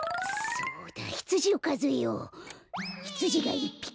そうだ！